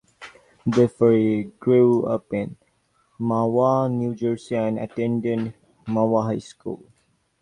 Blefary grew up in Mahwah, New Jersey and attended Mahwah High School.